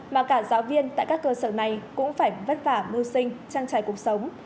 mà cả giáo viên tại các cơ sở này cũng phải vất vả mưu sinh trang trải cuộc sống